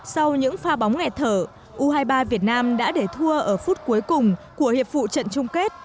sau những pha bóng nghẹt thở u hai mươi ba việt nam đã để thua ở phút cuối cùng của hiệp vụ trận chung kết